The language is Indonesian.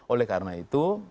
oleh karena itu